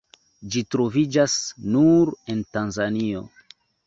Ĝi troviĝas nur en Tanzanio.